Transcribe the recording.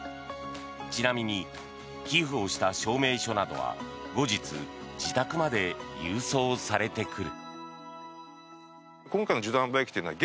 ちなみに寄付をした証明書などは後日、自宅まで郵送されてくる。